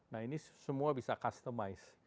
nah ini semua bisa customize